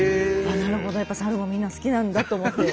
なるほどやっぱサルもみんな好きなんだと思って。